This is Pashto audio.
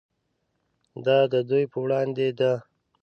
دا د دوی په وړاندې ده.